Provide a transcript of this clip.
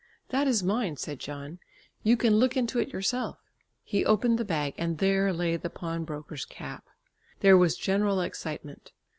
"That is mine," said John. "You can look into it yourself." He opened the bag and there lay the pawnbroker's cap! There was general excitement.